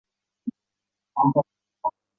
生灵是活着的人的灵魂出窍。